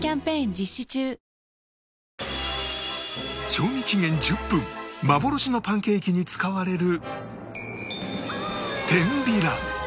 賞味期限１０分幻のパンケーキに使われる